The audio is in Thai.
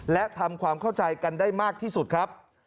และทำความเข้าใจกันได้มากที่สุดครับ